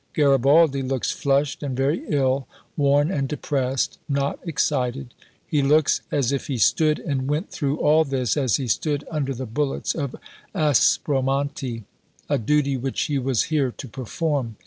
Garibaldi looks flushed and very ill, worn and depressed not excited. He looks as if he stood and went thro' all this as he stood under the bullets of Aspromonte a duty which he was here to perform.